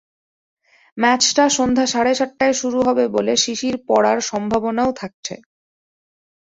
ম্যাচটা সন্ধ্যা সাড়ে সাতটায় শুরু হবে বলে শিশির পড়ার সম্ভাবনাও থাকছে।